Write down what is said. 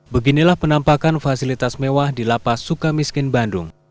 beginilah penampakan fasilitas mewah di lapa sukamiskin bandung